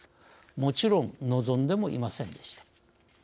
もちろん望んでもいませんでした。